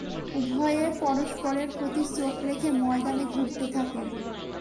উভয়ে পরস্পরের প্রতি চোখ রেখে ময়দানে ঘুরতে থাকে।